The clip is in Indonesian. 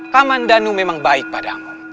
kamandano memang baik padamu